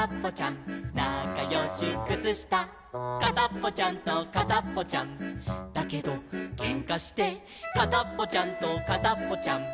なかよしくつした」「かたっぽちゃんとかたっぽちゃんだけどけんかして」「かたっぽちゃんとかたっぽちゃん」